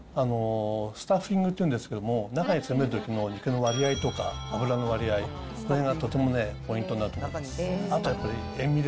スタッフィングっていうんですけど、中に詰めるときの肉の割合とか、脂の割合、それがとてもね、ポイントになると思います。